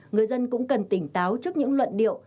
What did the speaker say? người dân cũng cần tỉnh táo trước những luận điệu